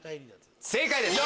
正解です！